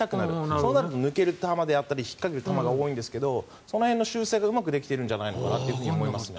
そうなると抜け球だったり引っかける球が多くなりますがその辺の修正がうまくできているんじゃないかなと思いますね。